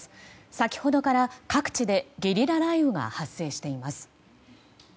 先ほどから各地でゲリラ雷雨が発生しています。